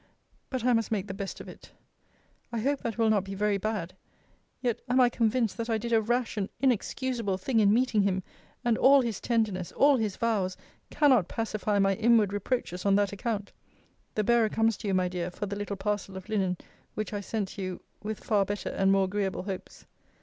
But I must make the best of it. I hope that will not be very bad! yet am I convinced that I did a rash and inexcusable thing in meeting him; and all his tenderness, all his vows, cannot pacify my inward reproaches on that account. The bearer comes to you, my dear, for the little parcel of linen which I sent you with far better and more agreeable hopes.